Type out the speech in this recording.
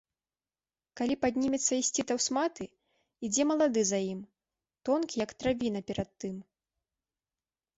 Калі паднімецца ісці таўсматы, ідзе малады за ім, тонкі, як травіна, перад тым.